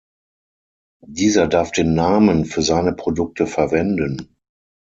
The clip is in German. Dieser darf den Namen für seine Produkte verwenden.